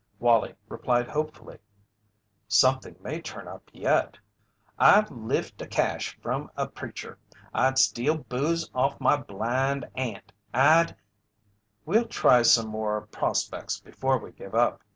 Wallie replied hopefully: "Something may turn up yet." "I'd lift a cache from a preacher! I'd steal booze off my blind aunt! I'd " "We'll try some more 'prospects' before we give up.